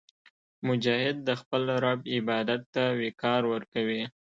مجاهد د خپل رب عبادت ته وقار ورکوي.